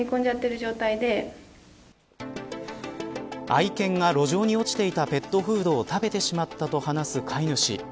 愛犬が路上に落ちていたペットフードを食べてしまったと話す飼い主。